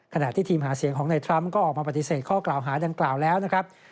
ขณะที่ทีมหาเสียงของในทรัมป์ก็ออกมาปฏิเสธข้อกล่าวหาดังกล่าวแล้วนะครับ